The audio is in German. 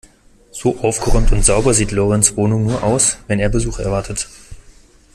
So aufgeräumt und sauber sieht Lorenz Wohnung nur aus, wenn er Besuch erwartet.